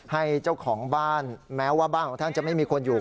เจ้าของบ้านแม้ว่าบ้านของท่านจะไม่มีคนอยู่